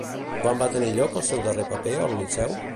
Quan va tenir lloc el seu darrer paper al Liceu?